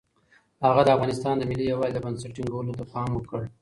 هغه د افغانستان د ملي یووالي د بنسټ ټینګولو ته پام وکړ.